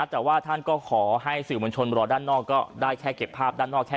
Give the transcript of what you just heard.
แต่ว่าท่านก็ขอให้ศึมวลชนรอด้านนอกก็เดี๋ยวแค่เก็บภาพด้านนอก